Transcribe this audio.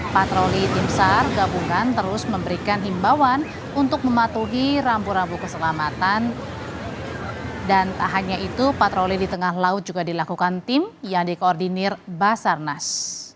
patroli di tengah laut juga dilakukan tim yang dikoordinir basarnas